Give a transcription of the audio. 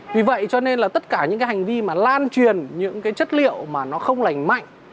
vì vậy cho nên là tất cả những cái hành vi mà lan truyền những cái chất liệu mà nó không lành mạnh